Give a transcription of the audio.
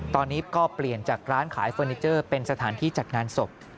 ตอนนี้ก็เปลี่ยนจากร้านขายเฟอร์นิเจอร์เป็นสถานที่จัดงานศพ